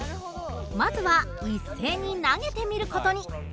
まずは一斉に投げてみる事に。